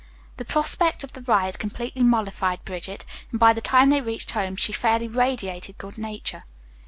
The prospect of the ride completely mollified Bridget, and by the time they reached home she fairly radiated good nature.